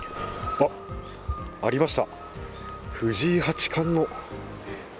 あっ、ありました。